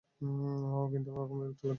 Wow, কিন্তু তখন বিরক্ত লাগবে।